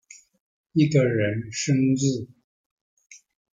一個人生日